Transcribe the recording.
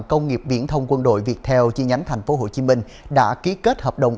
công nghiệp viễn thông quân đội việt theo chi nhánh tp hcm đã ký kết hợp đồng